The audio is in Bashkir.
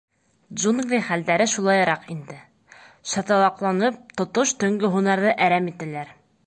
— Джунгли хәлдәре шулайыраҡ инде: шаталаҡланып, тотош төнгө һунарҙы әрәм итәләр.